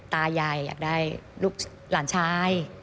ตายายอยากได้ลูกหลานชาย